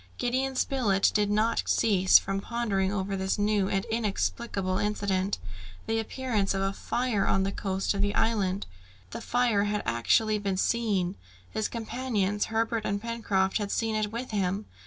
Gideon Spilett did not cease from pondering over this new and inexplicable incident, the appearance of a fire on the coast of the island. The fire had actually been seen! His companions, Herbert and Pencroft, had seen it with him!